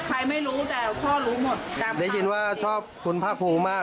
ใครไม่รู้แต่่อุ้งข้อรู้หมดได้ยินว่าครุ่นภาพภูมิมาก